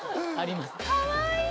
かわいい！